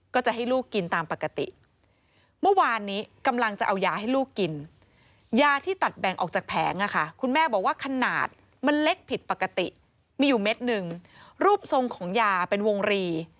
ก็บอกว่าขนาดมันเล็กผิดปกติมีอยู่เม็ดนึงรูปทรงของยาเป็นวงรี